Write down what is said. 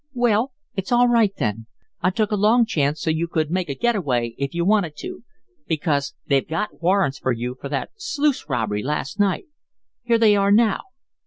"Well, it's all right then. I took a long chance so you could make a get away if you wanted to, because they've got warrants for you for that sluice robbery last night. Here they are now."